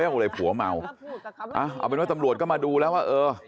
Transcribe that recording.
ขอโทษนะคะคุณตำรวจตลาบุรี